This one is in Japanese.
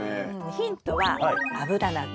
ヒントはアブラナ科。